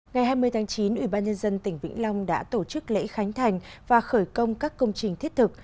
ngày hai mươi tháng chín ủy ban nhân dân tỉnh vĩnh long đã tổ chức lễ khánh thành và khởi công các công trình thiết thực